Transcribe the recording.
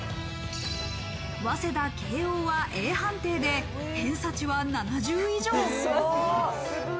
早稲田、慶應はＡ判定で偏差値は７０以上。